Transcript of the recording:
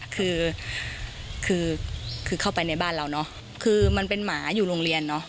คือคือคือเข้าไปในบ้านเราเนอะคือมันเป็นหมาอยู่โรงเรียนเนอะ